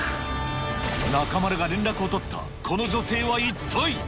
中丸が連絡を取ったこの女性は一体？